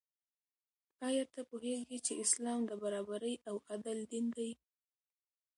آیا ته پوهېږې چې اسلام د برابرۍ او عدل دین دی؟